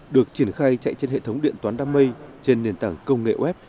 được triển khai chạy trên hệ thống điện toán đam mê trên nền tảng công nghệ web